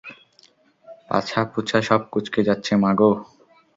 পাছা-পুছা সব কুঁচকে যাচ্ছে, মা গো!